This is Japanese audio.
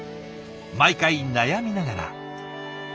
毎回悩みながら。